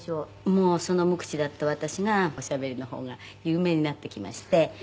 「もうその無口だった私がおしゃべりの方が有名になってきまして」